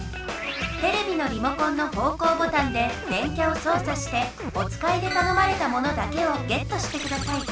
テレビのリモコンの方向ボタンで電キャをそうさしておつかいでたのまれたものだけをゲットしてください。